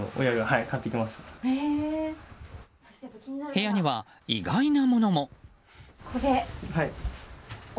部屋には意外なものも。